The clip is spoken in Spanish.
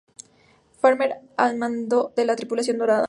Farmer al mando de la tripulación dorada.